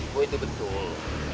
bu itu betul